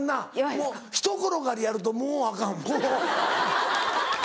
もうひと転がりやるともうアカンこう。